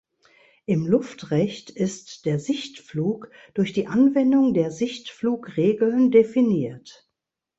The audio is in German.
Im Luftrecht ist der Sichtflug durch die Anwendung der Sichtflugregeln definiert.